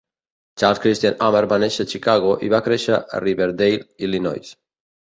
Charles Christian Hammer va néixer a Chicago i va créixer a Riverdale, Illinois.